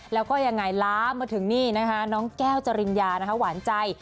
แล้วก็ยังไงล้ามาถึงนี่นะคะน้องแก้วจริญญานะคะหวานใจ